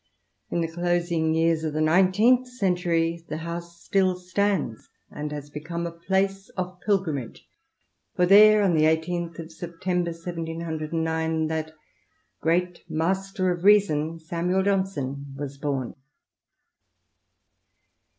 In the dosing years of the Nineteenth Century the house still stands, and has become a place of pilgrimage, for there — on the i8th September 1709 — that "great master of reason," Samuel Johnson, was born.